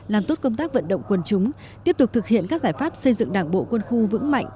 làm tốt công tác vận động quân chúng tiếp tục thực hiện các giải pháp xây dựng đảng bộ quân khu vững mạnh